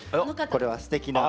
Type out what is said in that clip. これはすてきな。